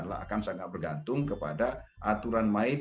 akan sangat bergantung kepada aturan main